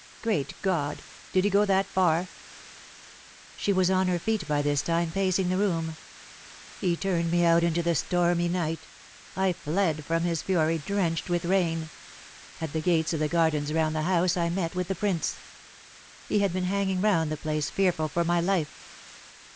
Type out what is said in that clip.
"Great God! Did he go that far?" She was on her feet by this time pacing the room. "He turned me out into the stormy night. I fled from his fury, drenched with rain. At the gates of the gardens round the house I met with the Prince. He had been hanging round the place fearful for my life.